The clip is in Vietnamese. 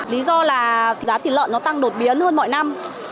lý do là giá thịt lợn nó tăng đột biến hơn mọi năm